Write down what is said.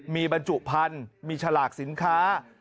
มีบรรจุพันธุ์มีฉลากสินค้า